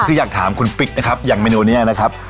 คืออยากถามคุณปิ๊กนะครับอย่างเมนูนี้นะครับ